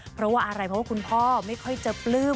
เพราะว่าอะไรเพราะว่าคุณพ่อไม่ค่อยจะปลื้ม